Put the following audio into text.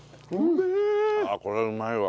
これうまいわ！